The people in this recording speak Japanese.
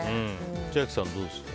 千秋さん、どうですか？